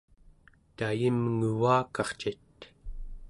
tayimnguvakarcit?